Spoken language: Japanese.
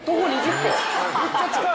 めっちゃ近い。